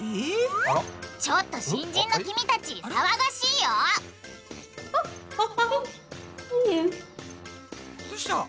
ちょっと新人の君たち騒がしいよどうした？